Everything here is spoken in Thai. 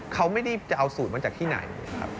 เขาไม่ได้จะเอาสูตรมาจากที่ไหนครับ